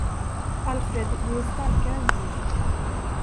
Alfred, du är starkare än han.